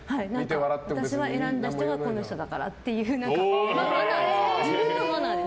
私が選んだ人がこの人だからっていうのが自分のマナーです。